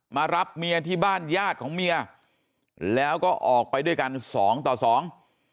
มารับเมียที่บ้านญาติของเมียแล้วก็ออกไปด้วยกันสองต่อสอง